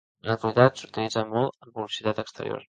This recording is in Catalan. En l'actualitat s'utilitzen molt en publicitat exterior.